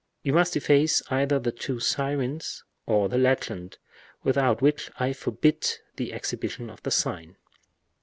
You must efface either the two sirens or the legend, without which I forbid the exhibition of the sign.